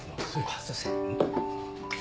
あっすいません。